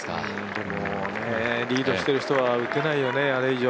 でもね、リードしてる人はね打てないよね、あれ以上。